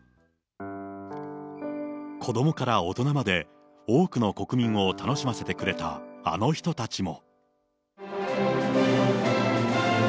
子どもから大人まで、多くの国民を楽しませてくれたあの人たちも。